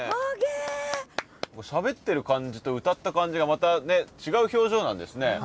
しゃべってる感じと歌った感じがまた違う表情なんですね